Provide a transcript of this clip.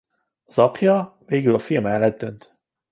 Az apja végül a fia mellett dönt.